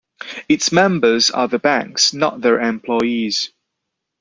Its members are the banks, not their employees.